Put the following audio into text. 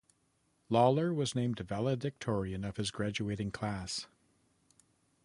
Lawler was named valedictorian of his graduating class.